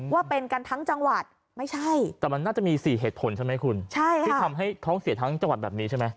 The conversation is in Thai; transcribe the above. ว่าเป็นกันทั้งจังหวัดไม่ใช่แต่มันน่าจะมี๔เหตุผลใช่ไหมคุณใช่ค่ะที่ทำให้ท้องเสียทั้งจังหวัดแบบนี้ใช่ไหม